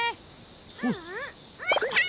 ううーたん！